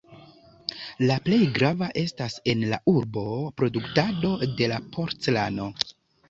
La plej grava estas en la urbo produktado de porcelano.